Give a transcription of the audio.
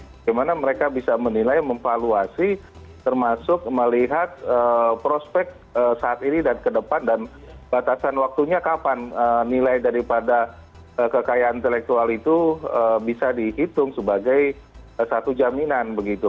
bagaimana mereka bisa menilai memvaluasi termasuk melihat prospek saat ini dan ke depan dan batasan waktunya kapan nilai daripada kekayaan intelektual itu bisa dihitung sebagai satu jaminan begitu